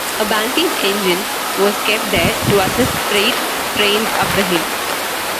A banking engine was kept there to assist freight trains up the hill.